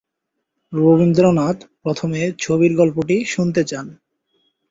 রবীন্দ্রনাথ প্রথমে ছবির গল্পটি শুনতে চান।